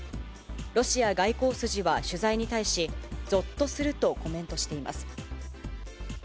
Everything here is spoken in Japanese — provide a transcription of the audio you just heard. ロシア外交筋は取材に対し、ぞっとするとコメントしています。